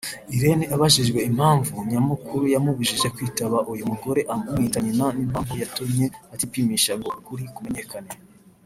Irene abajijwe impamvu nyamukuru yamubujije kwitaba uyu mugore umwita nyina n’impamvu yatumye atipimisha ngo ukuri kumenyekane